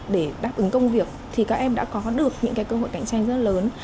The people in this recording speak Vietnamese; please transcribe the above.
để đáp ứng công việc thì các em đã có được những cơ hội cạnh tranh rất lớn